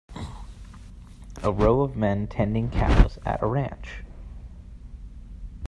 A row of men tending cows at a ranch.